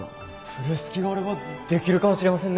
プレス機があればできるかもしれませんね。